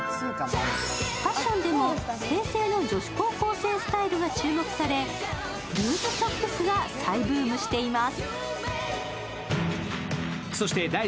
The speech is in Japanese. ファッションでも平成の女子高校生スタイルが注目されルーズソックスが再ブームしています。